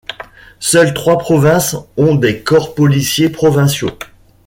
Seules trois provinces ont des corps policiers provinciaux.